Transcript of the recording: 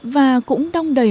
và cũng đông đầy